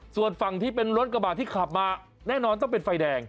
ส่วนฝั่งที่เป็นรถกระบาดที่ขับมาแน่นอนต้องเป็นไฟแดง